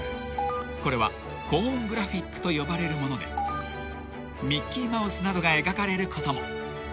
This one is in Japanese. ［これはコーングラフィックと呼ばれるものでミッキーマウスなどが描かれることも］